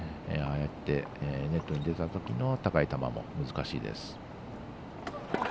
やってネットに出たときの高い球は難しいです。